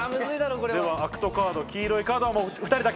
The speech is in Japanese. これ・ではアクトカード黄色いカードは２人だけ。